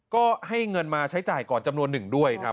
ก็ให้เงินมาใช้จ่ายก่อนจำนวนหนึ่งด้วยครับ